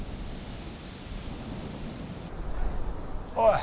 おい